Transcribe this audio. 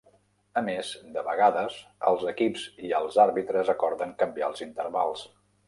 A més, de vegades els equips i els àrbitres acorden canviar els intervals.